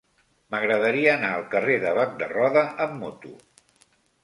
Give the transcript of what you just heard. M'agradaria anar al carrer de Bac de Roda amb moto.